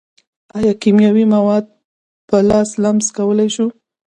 ایا کیمیاوي مواد په لاس لمس کولی شو.